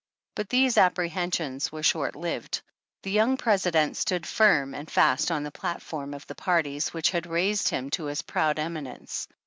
But these apprehensions were short lived. The young President stood firm and fast on the platform of the parties which had raised him to his proud emi nence.